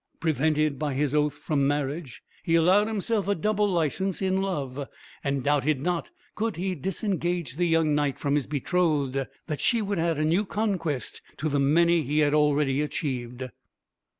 Prevented by his oath from marriage, he allowed himself a double license in love, and doubted not, could he disengage the young knight from his betrothed, that she would add a new conquest to the many he had already achieved.